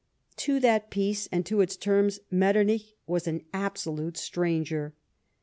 To that peace, and to its terms, Metternich was an absolute stranger.